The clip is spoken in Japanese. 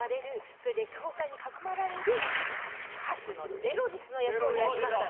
それで教会にかくまわれるデロリスの役をやりました。